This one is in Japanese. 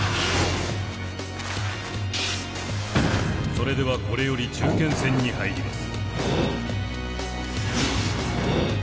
それではこれより中堅戦に入ります。